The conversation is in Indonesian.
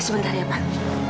sebentar ya pak